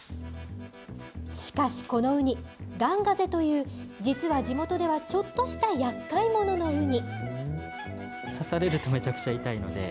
しかしこのウニ、ガンガゼという実は地元ではちょっとしたやっかい者のウニ。